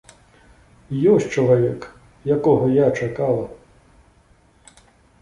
Ёсць чалавек, якога я чакала!